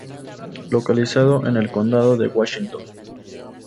Localizado en el condado de Washington.